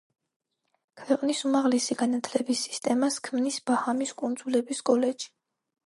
ქვეყნის უმაღლესი განათლების სისტემას ქმნის ბაჰამის კუნძულების კოლეჯი.